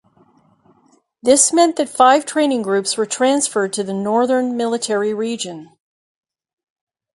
This meant that five training groups were transferred to the Northern Military Region.